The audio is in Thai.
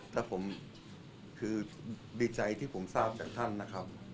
ต้องให้เขตไปดูนะครับ